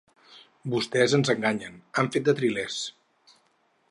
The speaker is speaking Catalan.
Vostès ens enganyen, han fet de trilers.